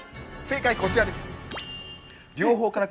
正解こちらです。